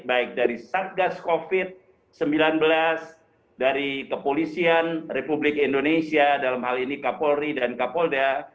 baik dari satgas covid sembilan belas dari kepolisian republik indonesia dalam hal ini kapolri dan kapolda